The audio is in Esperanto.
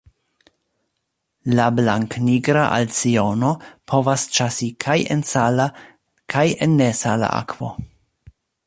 La Blanknigra alciono povas ĉasi kaj en sala kaj en nesala akvo.